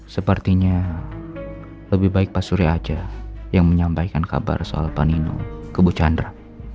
sepertinya lebih baik pak surya saja yang menyampaikan kabar soal panino ke mbak chandra